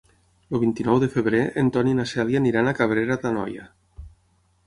El vint-i-nou de febrer en Ton i na Cèlia aniran a Cabrera d'Anoia.